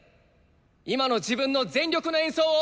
今の自分の全力の演奏を。